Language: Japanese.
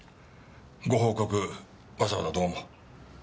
ご報告わざわざどうも。